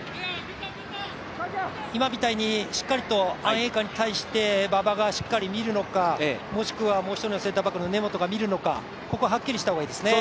今みたいに、しっかりとアウェー感に対して、馬場がしっかり見るのか、もしくはもう１人のセンターバックの根本が見るのか、ここははっきりした方がいいですね。